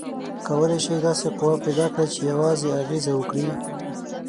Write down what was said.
کولی شئ داسې قوه پیداکړئ چې یوازې اغیزه وکړي؟